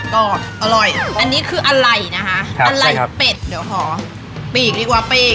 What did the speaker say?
อร่อยอันนี้คืออะไรนะคะอะไรเป็ดเดี๋ยวขอปีกดีกว่าปีก